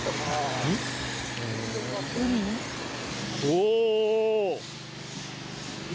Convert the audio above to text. おお！